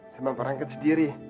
saya mau berangkat sendiri